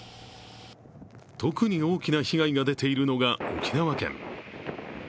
特に大きな被害が出ているのが沖縄県。